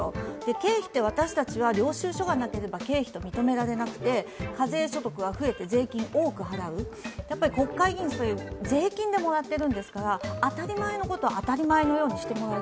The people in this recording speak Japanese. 経費って、私たちは領収書がなければ経費と認められなくて、課税所得が増えて、多く税金を払う、国会議員、税金でもらっているんくですから、当たり前のことを当たり前のようにしてほしい。